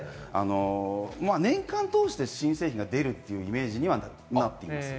年間通して、新製品が出るというイメージにはなっています。